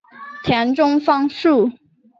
田中芳树。